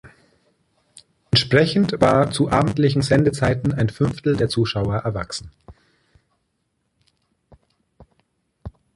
Entsprechend war zu abendlichen Sendezeiten ein Fünftel der Zuschauer erwachsen.